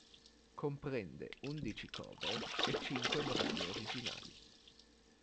Comprende undici cover e cinque brani originali.